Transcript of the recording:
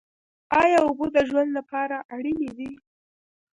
ایا اوبه د ژوند لپاره اړینې دي؟